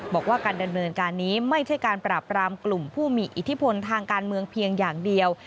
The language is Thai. บอกว่าการดำเนินการนี้ไม่ใช่การปราบรามกลุ่มผู้มีอิทธิพลทางการเมืองเพียงอย่างเดียว